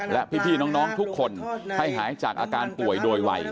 และพี่น้องทุกคนให้หายจากอาการป่วยโดยวัย